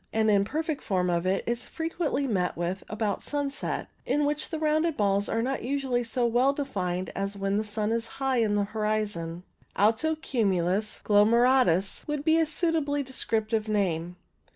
An imperfect form of it is frequently met with about sunset, in which the rounded balls are not usually so well defined as when the sun is high above the horizon. Alto cumulus glomeratus would be a suitably descriptive name.